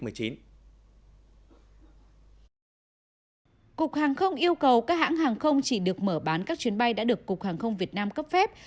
cục hàng không yêu cầu các hãng hàng không chỉ được mở bán các chuyến bay đã được cục hàng không việt nam cấp phép